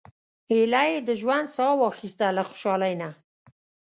ایله یې د ژوند سا واخیسته له خوشالۍ نه.